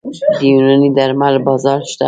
د یوناني درملو بازار شته؟